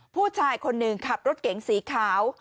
ผู้ชายคนหนึ่งขับรถเก๋งสีขาว